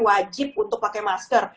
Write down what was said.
wajib untuk pakai masker